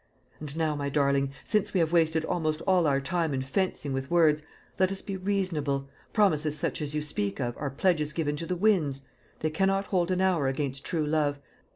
And now, my darling, since we have wasted almost all our time in fencing with words, let us be reasonable. Promises such as you speak of are pledges given to the winds. They cannot hold an hour against true love.